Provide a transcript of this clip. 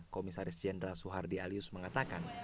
komisaris jenderal suhardi alyus mengatakan